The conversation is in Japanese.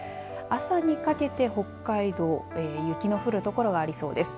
朝にかけて北海道雪の降る所がありそうです。